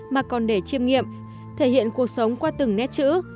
mà còn để chiêm nghiệm thể hiện cuộc sống qua từng nét chữ